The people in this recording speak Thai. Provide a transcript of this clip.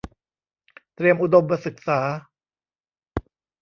เตรียมอุดมศึกษา